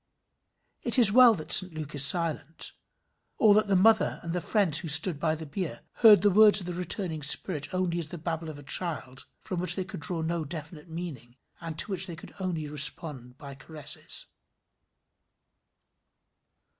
It is well that St Luke is silent; or that the mother and the friends who stood by the bier, heard the words of the returning spirit only as the babble of a child from which they could draw no definite meaning, and to which they could respond only by caresses.